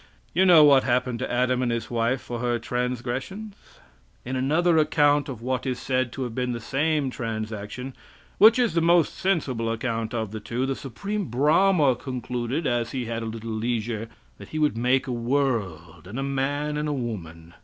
You know what happened to Adam and his wife for her transgressions? In another account of what is said to have been the same transaction which is the most sensible account of the two the Supreme Brahma concluded, as he had a little leisure, that he would make a world, and a man and woman.